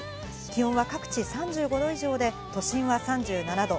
気温は各地３５度以上で、都心は３７度、